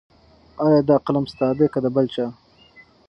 ایا دا قلم ستا دی که د بل چا؟